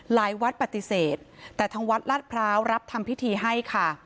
หลายวัดปฏิเสธแต่ทางวัดลาดพร้าวรับทำพิธีให้ค่ะ